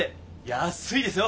安いですよ！